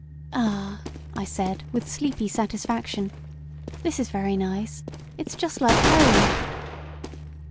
"Ah," I said, with sleepy satisfaction "this is very nice; it's just like home."